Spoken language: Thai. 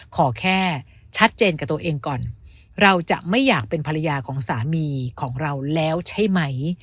ขอแค่ชัดเจนกับตัวเองก่อนเราจะไม่อยากเป็นภรรยาของสามีของเราแล้วใช่ไหม